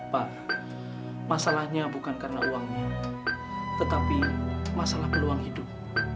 pak masalahnya bukan karena uangnya tetapi masalah peluang hidup